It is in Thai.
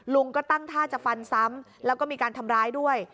ลุงก็ตั้งท่าจะฟันซ้ำแล้วก็มีการทำร้ายด้วย